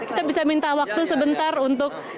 kita bisa minta waktu sebentar untuk